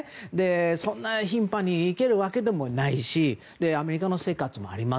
そんな頻繁に行けるわけでもないしアメリカの生活もあります。